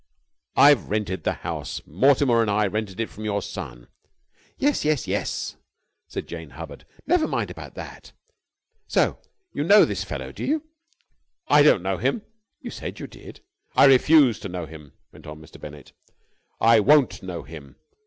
"I've rented the house, Mortimer and I rented it from your son...." "Yes, yes, yes," said Jane Hubbard. "Never mind about that. So you know this fellow, do you?" "I don't know him!" "You said you did." "I refuse to know him!" went on Mr. Bennett. "I won't know him!